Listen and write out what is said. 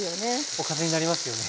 おかずになりますよね。ね。